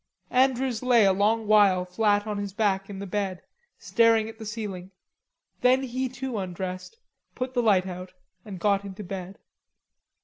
Andrews lay a long while flat on his back in the bed, staring at the ceiling, then he too undressed, put the light out, and got into bed.